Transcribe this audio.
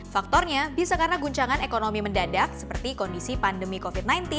faktornya bisa karena guncangan ekonomi mendadak seperti kondisi pandemi covid sembilan belas